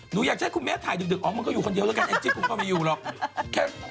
หนูอยากจะให้คุณแม่ถ่ายดึกอ๋อมันก็อยู่คนเดียวแล้วกันแองจี้คุณก็ไม่อยู่หรอก